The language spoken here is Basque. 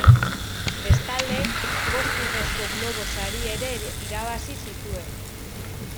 Bestalde, bost Urrezko Globo sari ere irabazi zituen.